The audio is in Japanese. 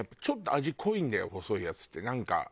ちょっと味濃いんだよ細いやつってなんか。